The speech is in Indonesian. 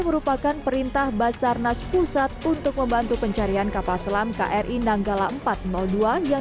merupakan perintah basarnas pusat untuk membantu pencarian kapal selam kri nanggala empat ratus dua yang